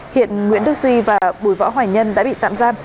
hiện nguyễn đức duy và bùi võ hoài nhân đã bị tạm giam